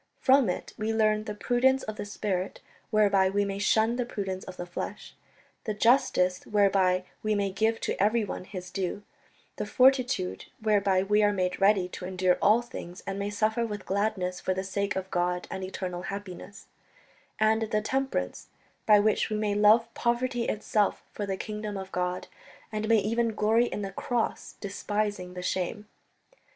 From it we learn the prudence of the spirit whereby we may shun the prudence of the flesh, the justice whereby we may give to everyone his due, the fortitude whereby we are made ready to endure all things and may suffer with gladness for the sake of God and eternal happiness; and the temperance by which we may love poverty itself for the kingdom of God, and may even glory in the Cross, despising the shame